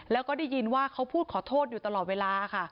แล้วก็ได้ยินว่าเขาพูดขอโทษอยู่ตลอดเวลาค่ะ